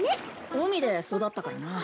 海で育ったからな。